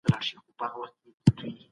احمد شاه ابدالي څنګه خپل نوم مشهور کړ؟